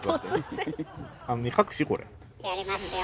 やりますよ。